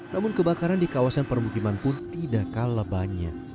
namun kebakaran di kawasan permukiman pun tidak kalah banyak